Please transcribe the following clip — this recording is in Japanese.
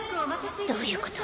どういうこと？